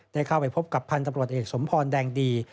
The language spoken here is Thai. ได้เข้าไปพบกับพันธุ์ตำรวจเอกสมพรแดงดี